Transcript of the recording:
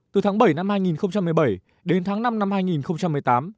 từ tháng bảy năm hai nghìn một mươi bảy đến tháng năm năm hai nghìn một mươi tám